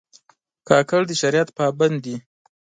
کاکړ د شریعت پابند دي.